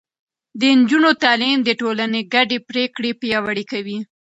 د نجونو تعليم د ټولنې ګډې پرېکړې پياوړې کوي.